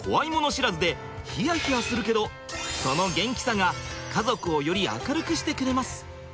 知らずでヒヤヒヤするけどその元気さが家族をより明るくしてくれます！